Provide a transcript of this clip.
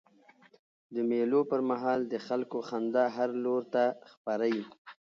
د مېلو پر مهال د خلکو خندا هر لور ته خپره يي.